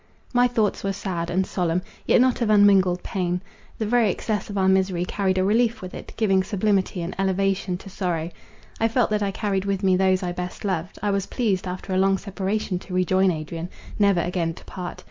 My thoughts were sad and solemn, yet not of unmingled pain. The very excess of our misery carried a relief with it, giving sublimity and elevation to sorrow. I felt that I carried with me those I best loved; I was pleased, after a long separation to rejoin Adrian; never again to part.